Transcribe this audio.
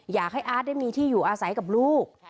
อยากให้อาร์ตได้มีที่อยู่อาศัยกับลูก